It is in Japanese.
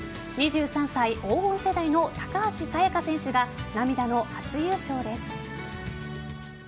２３歳、黄金世代の高橋彩華選手が涙の初優勝です。